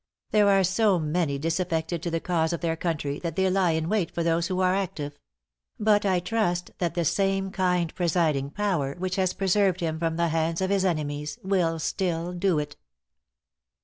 There are so many disaffected to the cause of their country, that they lie in wait for those who are active; but I trust that the same kind presiding Power which has preserved him from the hands of his enemies, will still do it."